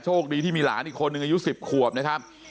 คดีที่มีหลานอีกคนนึงอายุ๑๐ขวบนะครับ